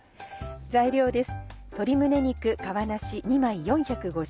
材料です。